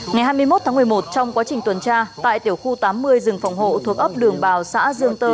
ngày hai mươi một tháng một mươi một trong quá trình tuần tra tại tiểu khu tám mươi rừng phòng hộ thuộc ấp đường bào xã dương tơ